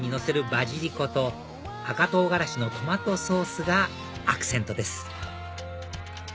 バジリコと赤唐辛子のトマトソースがアクセントです